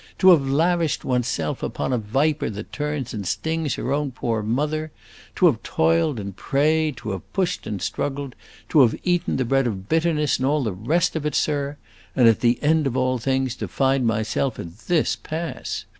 to have lavished one's self upon a viper that turns and stings her own poor mother! To have toiled and prayed, to have pushed and struggled, to have eaten the bread of bitterness, and all the rest of it, sir and at the end of all things to find myself at this pass.